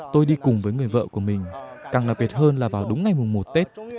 tôi đi cùng với người vợ của mình càng đặc biệt hơn là vào đúng ngày mùng một tết